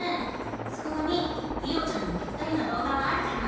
すくがミりおちゃんにぴったりな動画はあるかな？